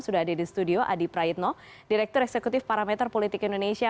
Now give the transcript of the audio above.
sudah ada di studio adi praitno direktur eksekutif parameter politik indonesia